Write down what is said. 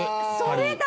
それだ！